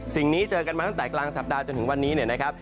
นี้เจอกันมาตั้งแต่กลางสัปดาห์จนถึงวันนี้เนี่ยนะครับ